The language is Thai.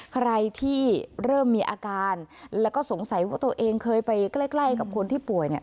ใครที่เริ่มมีอาการแล้วก็สงสัยว่าตัวเองเคยไปใกล้กับคนที่ป่วยเนี่ย